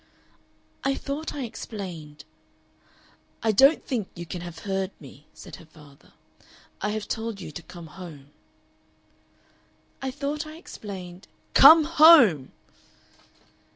"I thought I explained " "I don't think you can have heard me," said her father; "I have told you to come home." "I thought I explained " "Come home!"